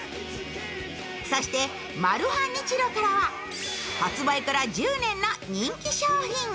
そしてマルハニチロからは、発売から１０年の人気商品。